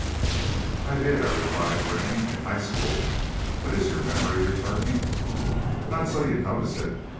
"I did!" I replied, grinning; "in high school! But, is your memory returning?" "Not so's you'd notice it!